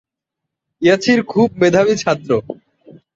কিছু ক্ষেত্রে শহরের অধিবাসীদের আগমন ঘটতে থাকে।